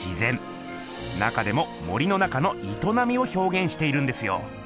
中でも森の中のいとなみをひょうげんしているんですよ。